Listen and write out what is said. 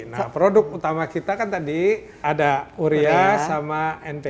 nah produk utama kita kan tadi ada uria sama npw